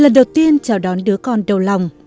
lần đầu tiên chào đón đứa con đầu lòng